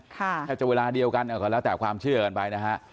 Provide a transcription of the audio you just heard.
ถ้าจะเวลาเดียวกันก็แล้วแต่ความเชื่อกันไปนะฮะ